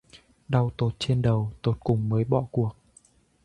Đau tột trên đầu, tột cùng mới bỏ cuộc